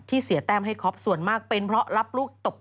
เสียแต้มให้คอปส่วนมากเป็นเพราะรับลูกตบ